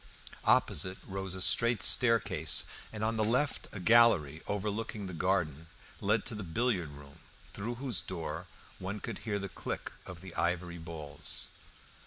Opposite rose a straight staircase, and on the left a gallery overlooking the garden led to the billiard room, through whose door one could hear the click of the ivory balls.